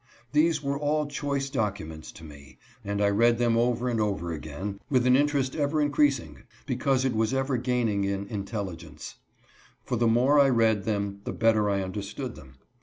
These were all choice documents to me, and I read them over and over again, with an interest ever increasing, because it was ever^aining in intelligence ; for the more I read them the better I understood them.